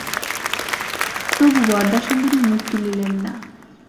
তবু বরদাসুন্দরী মুখ তুলিলেন না।